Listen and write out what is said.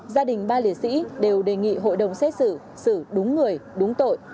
gia đình ba liệt sĩ đều đề nghị hội đồng xét xử xử đúng người đúng tội